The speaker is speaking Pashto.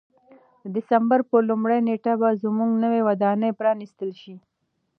د دسمبر په لومړۍ نېټه به زموږ نوې ودانۍ پرانیستل شي.